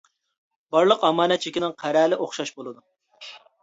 بارلىق ئامانەت چېكىنىڭ قەرەلى ئوخشاش بولىدۇ.